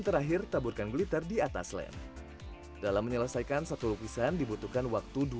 terakhir taburkan glitter di atas lem dalam menyelesaikan satu lukisan dibutuhkan waktu